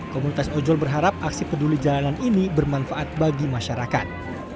komunitas ojol berharap aksi peduli jalanan ini bermanfaat bagi masyarakat